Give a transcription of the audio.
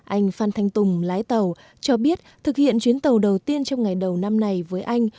anh phan thanh tùng lái tàu cho biết thực hiện chuyến tàu đầu tiên trong ngày đầu năm này với anh